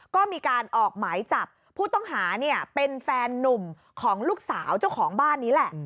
ก็มีการออกหมายจับผู้ต้องหาเนี่ยเป็นแฟนนุ่มของลูกสาวเจ้าของบ้านนี้แหละ